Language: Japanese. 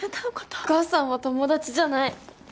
お母さんは友達じゃない。